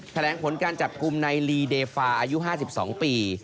แถลงผลการจับกลุ่มในลีเดฟาอายุ๕๒ปี